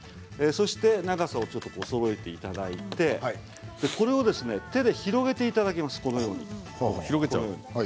長さをそろえていただいてこれを手で広げていただきます。